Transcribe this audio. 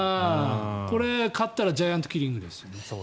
これに勝ったらジャイアントキリングですよ。